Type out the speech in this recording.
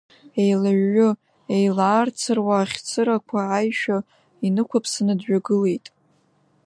Еилаҩҩы, еилаарцыруа ахь цырақәа аишәа инықәыԥсаны дҩагылеит.